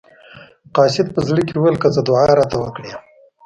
قاصد په زړه کې وویل که څه دعا راته وکړي.